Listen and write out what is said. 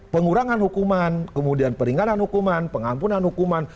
pengurangan hukuman kemudian peringanan hukuman pengampunan hukuman